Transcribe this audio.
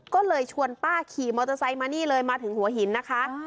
ก็เลยชวนป้าขี่มอเตอร์ไซค์มานี่เลยมาถึงหัวหินนะคะ